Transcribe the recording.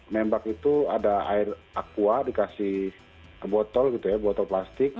nembak itu ada air aqua dikasih botol gitu ya botol plastik